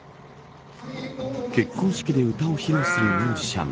結婚式で歌を披露するミュージシャン。